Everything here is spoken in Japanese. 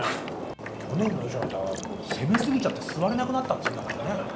去年の衣装なんか攻めすぎちゃって座れなくなったっていうんだからね。